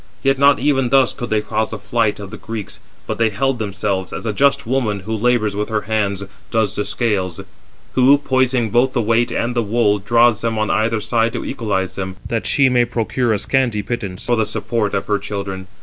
Yet not even thus could they cause a flight of the Greeks, but they held themselves, as a just woman, who labours with her hands, does the scales, 408 who, poising both the weight and the wool, draws them on either side to equalize them, that she may procure a scanty pittance for the support of her children.